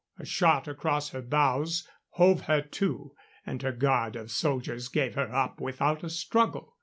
A shot across her bows hove her to, and her guard of soldiers gave her up without a struggle.